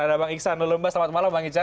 ada bang iksan lelemba selamat malam bang iksan